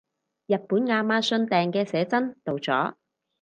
日本亞馬遜訂嘅寫真到咗